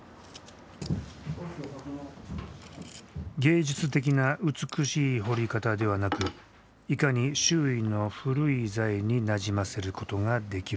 芸術的な美しい彫り方ではなくいかに周囲の古い材になじませることができるか。